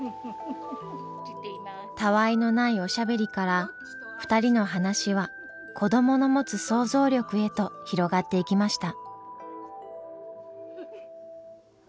たわいのないおしゃべりから２人の話は子どもの持つ想像力へと広がっていきました。